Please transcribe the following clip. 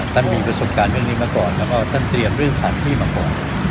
ต้องมีประสงคัญเช่าไหนไม่ก่อนแล้วก็ต้องเตรียมทางหาเลือกไม่ก่อน